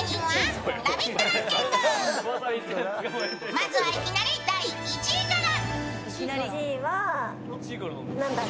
まずはいきなり第１位から。